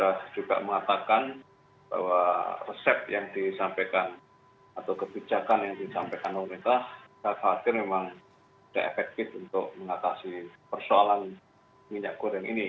saya juga mengatakan bahwa resep yang disampaikan atau kebijakan yang disampaikan pemerintah saya khawatir memang tidak efektif untuk mengatasi persoalan minyak goreng ini